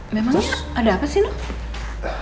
emangnya ada apa sih noh